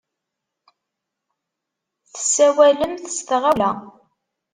Tessawalemt s tɣawla.